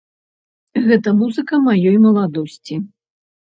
Гэта музыка маёй маладосці.